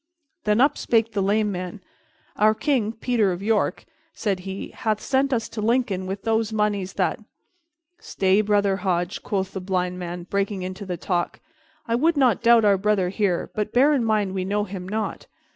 Then up spake the Lame man. "Our king, Peter of York," said he, "hath sent us to Lincoln with those moneys that " "Stay, brother Hodge," quoth the Blind man, breaking into the talk, "I would not doubt our brother here, but bear in mind we know him not.